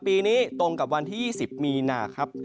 ปีนี้ตรงกับวันที่๒๐มีนาครับ